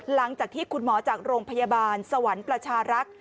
หลังจากที่คุณหมอจากโรงพยาบาลสวรรค์ประชารักษ์